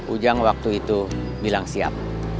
ujang waktu itu bilang siap